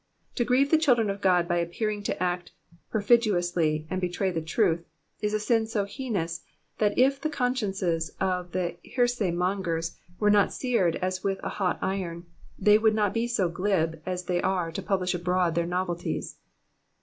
To grieve the children of God by appeanng to act perfidiously and betray the truth, is a sin so heinous, that if the consciences of heresy mongers were not seared as with a hot iron, they would not be so glib as they are to publish abroad their novelties.